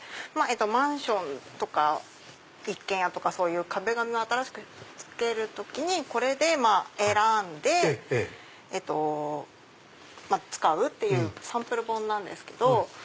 マンションとか一軒家とか壁紙を新しくつける時にこれで選んで使うっていうサンプル本なんですけど。